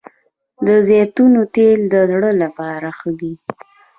د زیتون تېل د زړه لپاره ښه دي